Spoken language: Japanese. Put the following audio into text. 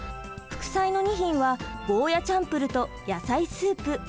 副菜の２品はゴーヤチャンプルと野菜スープ。